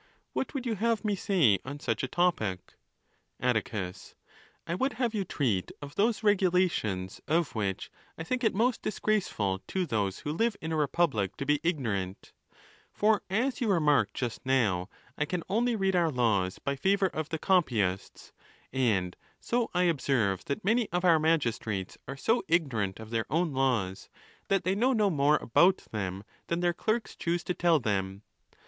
—What would you have me say on such a topic? Atticus.—I would have you treat of those regulations, of which I think it most disgraceful to those who live in a a ees ON THE LAWS. 483 republic to be ignorant: for as you remarked just now, 1 can only read our laws by favour of the copyists; and so I ob serve that many of our magistrates are so ignorant of their own laws, that they know no more about them than their clerks choose to tell them.